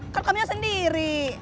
kan kamu sendiri